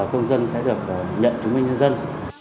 công dân sẽ được nhận chứng minh nhân dân